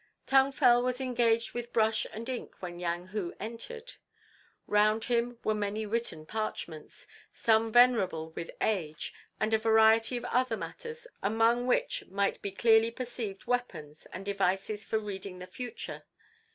Tung Fel was engaged with brush and ink when Yang Hu entered. Round him were many written parchments, some venerable with age, and a variety of other matters, among which might be clearly perceived weapons, and devices for reading the future.